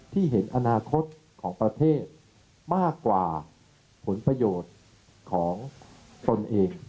ที่เห็นอนาคตของประเทศมากกว่าผลประโยชน์ของตนเอง